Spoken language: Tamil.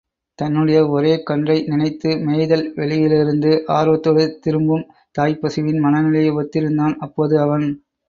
தன்னுடைய ஒரே கன்றை நினைத்து மேய்தல் வெளியிலிருந்து ஆர்வத்தோடு திரும்பும் தாய்ப் பசுவின் மனநிலையை ஒத்திருந்தான் அப்போது அவன்.